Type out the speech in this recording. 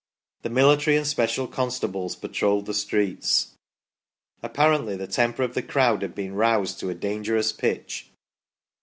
The military and special constables patrolled the streets. Ap parently the temper of the crowd had been roused to a dangerous pitch.